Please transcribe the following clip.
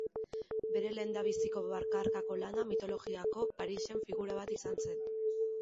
Bere lehendabiziko bakarkako lana mitologiako Parisen figura bat izan zen.